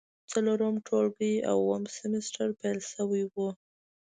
څلورم ټولګی او اووم سمستر پیل شوی و.